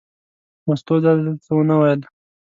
مستو دا ځل څه ونه ویل.